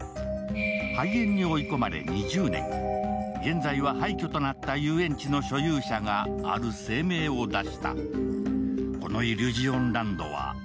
廃園に追い込まれ２０年、現在は廃虚となった遊園地の所有者がある声明を出した。